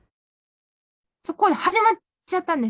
そこで始まっちゃったんです。